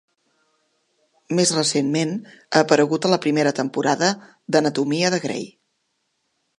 Més recentment, ha aparegut a la primera temporada de "Anatomia de Grey".